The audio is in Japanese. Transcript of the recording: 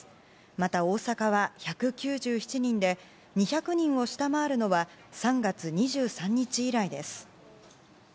また、大阪は１９７人で２００人を下回るのは３月２３日以来です。